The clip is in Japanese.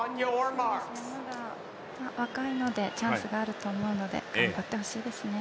まだ若いのでチャンスがあると思うので頑張ってほしいですね。